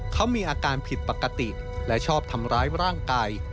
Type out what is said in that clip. เขามีอาการผิดปกติและชอบทำร้ายร่างกาย